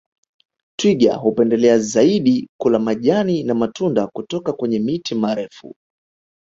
Twiga hupendelea zaidi kula majani na matunda kutoka kwenye miti marefu